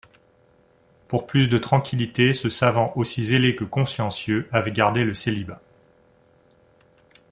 Pour plus de tranquillité, ce savant, aussi zélé que consciencieux, avait gardé le célibat.